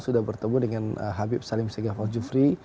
saya bersama dengan habib salim segaf aljufri